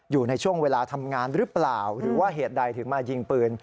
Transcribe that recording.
อยู่ในช่วงเวลาทำงานหรือเปล่าหรือว่าเหตุใดถึงมายิงปืน